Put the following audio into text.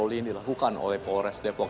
patroli yang dilakukan oleh polres depok